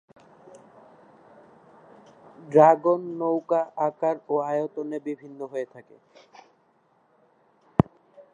Dragon নৌকা আকার ও আয়তনে বিভিন্ন হয়ে থাকে।